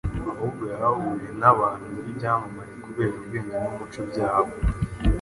ahubwo yahahuriye n’abantu b’ibyamamare kubera ubwenge n’umuco byabo.